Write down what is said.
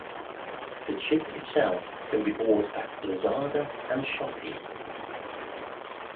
The chip itself can be bought at Lazada and Shopee.